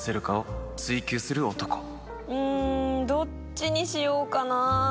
うんどっちにしようかな。